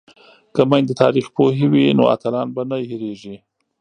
که میندې تاریخ پوهې وي نو اتلان به نه هیریږي.